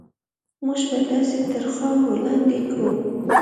موږ به تاسې تر خاورو لاندې کړو.